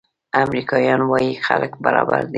امریکایان وايي خلک برابر دي.